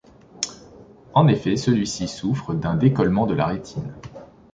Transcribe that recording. En effet, celui-ci souffre d'un décollement de la rétine.